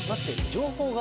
情報が。